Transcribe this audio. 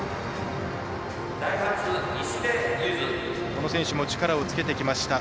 この選手も力をつけてきました。